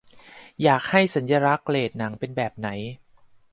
อยากให้สัญลักษณ์เรตหนังเป็นแบบไหน